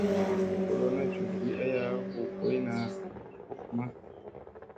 Ko lona njunugiya huu boy naa ma.